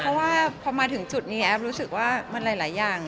เพราะว่าพอมาถึงจุดนี้แอฟรู้สึกว่ามันหลายอย่าง